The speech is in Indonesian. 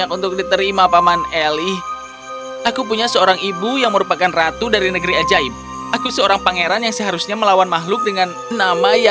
kota bertahta yang agung akan lenyap selamanya